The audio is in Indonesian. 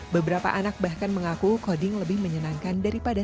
beberapa anak bahkan mengaku coding lebih menyenangkan daripada